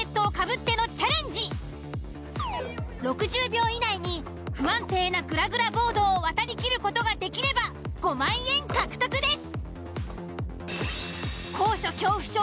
６０秒以内に不安定なグラグラボードを渡りきる事ができれば５万円獲得です！